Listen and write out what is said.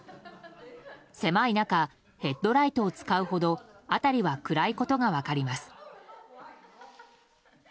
狭い中ヘッドライトを使うほど辺りは暗いことが分かります。